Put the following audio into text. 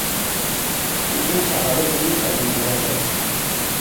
ستون فقرات او کج و معوج است.